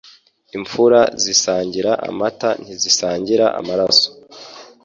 Imfura zisangira amata ntizisangira amaraso